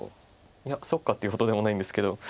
いやそっかっていうほどでもないんですけど。